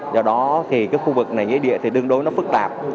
do đó thì cái khu vực này dưới địa thì đương đối nó phức tạp